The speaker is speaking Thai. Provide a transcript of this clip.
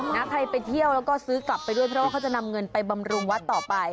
ใครไปเที่ยวแล้วก็ซื้อกลับไปด้วยเพราะว่าเขาจะนำเงินไปบำรุงวัดต่อไป